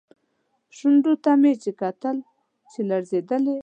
شونډو ته مې یې کتل چې لړزېدلې، له بلې خوا یې.